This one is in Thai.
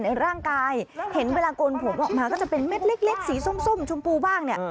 ในร่างกายเห็นเวลาโกนผมออกมาก็จะเป็นเม็ดเล็กสีส้มชมพูบ้างเนี่ย